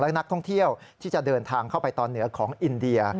และนักท่องเที่ยวที่จะเดินทางเข้าไปตอนเหนือของอินเดีย